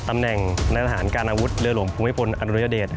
ตำแหน่งในทหารการอาวุธเรือหลวงภูมิพลอดุญเดช